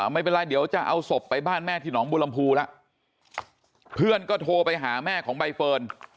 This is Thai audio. ไม่เป็นไรเดี๋ยวจะเอาศพไปบ้านแม่ที่หนองบุรมภูละเพื่อนก็โทรไปหาแม่ของใบเฟิร์น